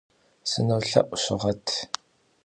Сынолъэӏу, щыгъэт.